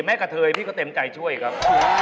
แม้กับเธอย่างนี้พี่ก็เต็มใจช่วยครับ